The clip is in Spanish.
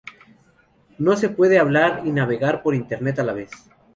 No se puede hablar y navegar por internet a la vez.